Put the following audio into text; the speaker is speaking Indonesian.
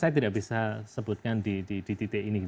itu juga bisa sebutkan di titik ini